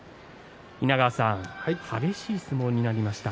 稲川さん激しい相撲になりました。